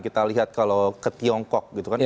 kita lihat kalau ke tiongkok gitu kan